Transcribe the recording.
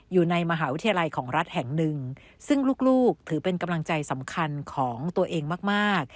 อยู่ในมหาวิทยาลัยของรัฐแห่งหนึ่งซึ่งลูกถือเป็นกำลังใจสำคัญของตัวเองมากมาก